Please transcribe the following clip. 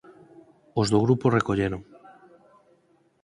os do grupo recolleron